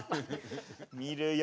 見るよ